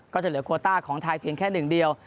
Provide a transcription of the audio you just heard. ก็จะเหลือโคต้าของไทยเพียงแค่หนึ่งเดียว